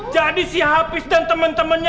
jadi si hafiz dan temen temennya